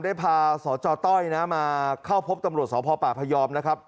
ได้พาสจต้อยนะมาเข้าพบตำรวจสพปพยอมนะครับ